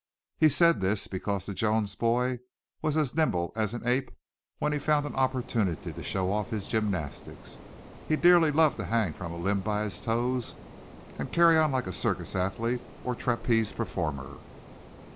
He said this because the Jones boy was as nimble as an ape when he found an opportunity to show off his gymnastics; he dearly loved to hang from a limb by his toes, and carry on like a circus athlete or trapeze performer.